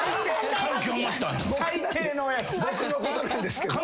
僕のことなんですけど。